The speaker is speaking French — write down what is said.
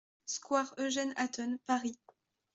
Square Eugène Hatton, Paris